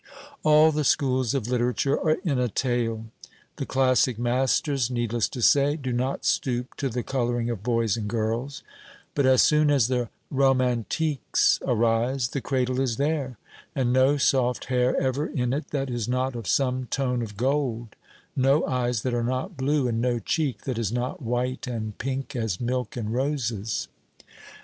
All the schools of literature are in a tale. The classic masters, needless to say, do not stoop to the colouring of boys and girls; but as soon as the Romantiques arise, the cradle is there, and no soft hair ever in it that is not of some tone of gold, no eyes that are not blue, and no cheek that is not white and pink as milk and roses.